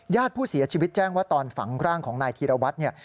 ผู้เสียชีวิตแจ้งว่าตอนฝังร่างของนายธีรวัตรเนี่ย